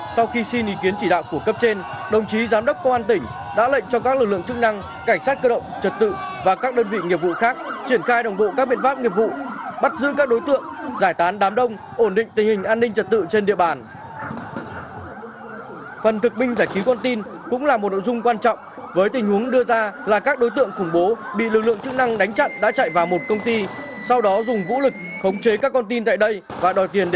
sau khi xin ý kiến chỉ đạo của cấp trên đồng chí giám đốc quan tỉnh đã lệnh cho các lực lượng chức năng cảnh sát cơ động trật tự và các đơn vị nghiệp vụ khác triển khai đồng bộ các biện pháp nghiệp vụ bắt giữ các đối tượng giải tán đám đông ổn định tình hình an ninh trật tự trên địa bàn